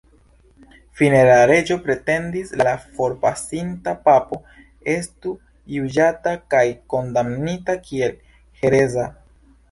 Fine la reĝo pretendis la la forpasinta papo estu juĝata kaj kondamnita kiel hereza.